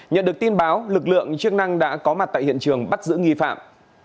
nhận được tin báo lực lượng chức năng đã có mặt tại hiện trường bắt giữ nghi phạm